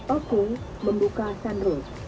aku membuka sunroof